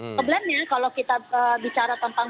problemnya kalau kita bicara tentang